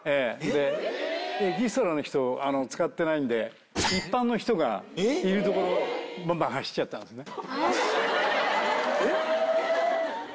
でエキストラの人使ってないんで一般の人がいる所ばんばん走っちゃったんすね。